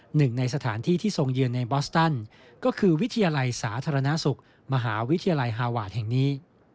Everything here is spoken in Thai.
หนึ่งในสถานที่ที่ทรงเยือนในบอสตันก็คือวิทยาลัยสาธารณสุขมหาวิทยาลัยฮาวาสแห่งนี้